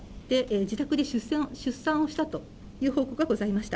自宅で出産をしたという報告がございました。